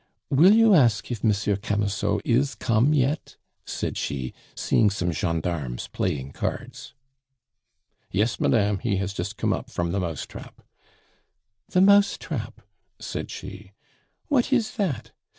"Will you ask if Monsieur Camusot is come yet?" said she, seeing some gendarmes playing cards. "Yes, madame, he has just come up from the 'mousetrap.'" "The mousetrap!" said she. "What is that?